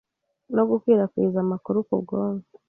no gukwirakwiza amakuru k’ubwonko,